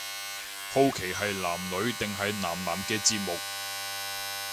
好奇係男女定係男男嘅節目